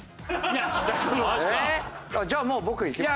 じゃあもう僕いきます。